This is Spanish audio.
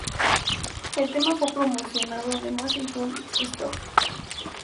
El tema fue promocionado además en iTunes Store.